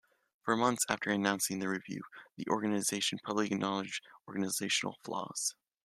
Four months after announcing the review, the organization publicly acknowledged organizational flaws.